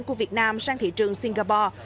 của việt nam sang thị trường singapore